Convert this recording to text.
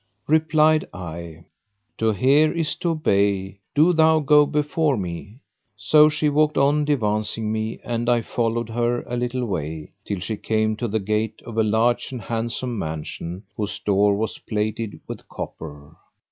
Replied I, "To hear is to obey: do thou go before me!" So she walked on devancing me and I followed her a little way, till she came to the gate of a large and handsome mansion whose door was plated with copper.